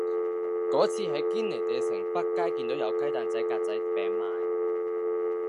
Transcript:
嗰次喺堅尼地城北街見到有雞蛋仔格仔餅賣